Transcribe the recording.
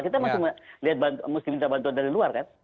kita masih melihat muslim minta bantuan dari luar kan